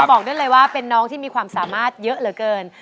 บอกได้เลยว่าเป็นน้องที่มีความสามารถเยอะเหลือเกิน